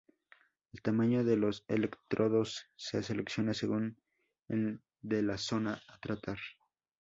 El tamaño de los electrodos se selecciona según el de la zona a tratar.